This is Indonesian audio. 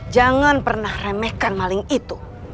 jangan pernah remehkan maling itu